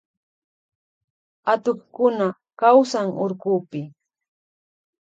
Atukkuna kawsan urkupi.